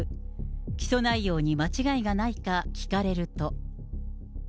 起訴内容に間違いがないか聞かれると。